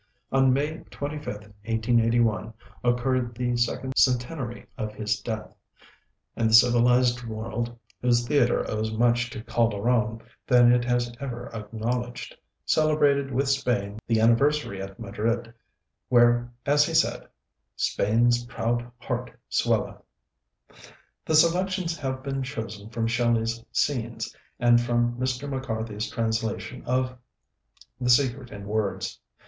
On May 25th, 1881, occurred the second centenary of his death, and the civilized world whose theatre owes more to Calderon than it has ever acknowledged celebrated with Spain the anniversary at Madrid, where as he said, "Spain's proud heart swelleth." The selections have been chosen from Shelley's 'Scenes,' and from Mr. MacCarthy's translation of 'The Secret in Words.'